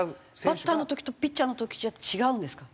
バッターの時とピッチャーの時じゃ違うんですか？